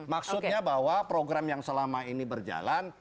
maksudnya bahwa program yang selama ini berjalan